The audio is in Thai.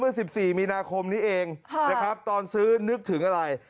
เมื่อ๑๔มีนาคมนี่เองตอนซื้อนึกถึงอะไร